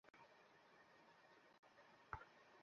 Captain Whitaker, শুভ সকাল।